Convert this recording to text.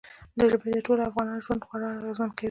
ژبې د ټولو افغانانو ژوند خورا اغېزمن کوي.